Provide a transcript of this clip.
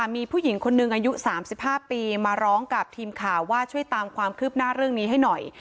มีผู้หญิงคนหนึ่งอายุ๓๕ปีมาร้องกับทีมข่าวว่าช่วยตามความคืบหน้าเรื่องนี้ให้หน่อย